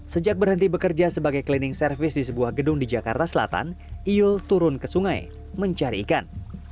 sejak berhenti bekerja sebagai cleaning service di sebuah gedung di jakarta selatan iul turun ke sungai mencari ikan